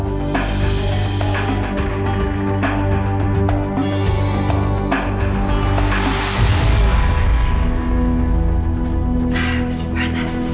masih panas sih